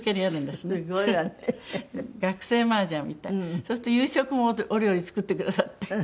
そうすると夕食もお料理作ってくださって。